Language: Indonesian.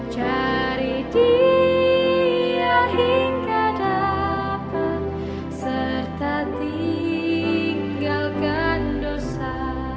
cari diri hingga dapat serta tinggalkan dosa